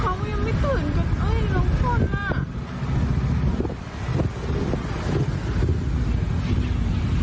เขายังไม่ตื่นจนเอ้ยน้องชนอ่ะ